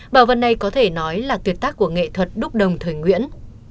bảo vật này có thể nói là tuyệt tác của nghệ thuật đúc đồng thời nguyễn